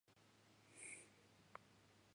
北海道士別市